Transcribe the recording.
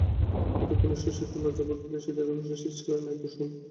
এতক্ষণে শশী একটু লজ্জা বোধ করিলা সেদিন রহস্য সৃষ্টি করে নাই কুসুম।